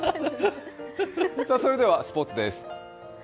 それではスポーツです。